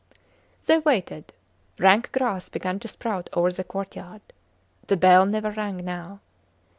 They waited. Rank grass began to sprout over the courtyard. The bell never rang now.